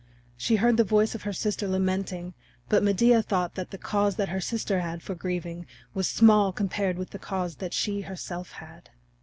She heard the voice of her sister lamenting, but Medea thought that the cause that her sister had for grieving was small compared with the cause that she herself had.